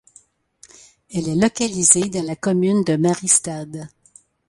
Elle est localisée dans la commune de Mariestad.